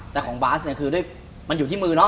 แต่ของบาสเนี่ยคือด้วยมันอยู่ที่มือเนาะ